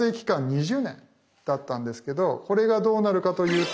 ２０年だったんですけどこれがどうなるかというと無期限。